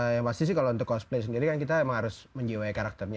yang pasti sih kalau untuk cosplay sendiri kan kita emang harus menjiwai karakternya